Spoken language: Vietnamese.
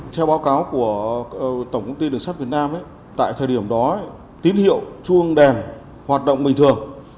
theo báo cáo của tổng công ty đường sắt việt nam tại thời điểm đó tín hiệu chuông đèn hoạt động bình thường